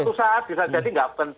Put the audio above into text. nggak penting dan kpk dibubarkan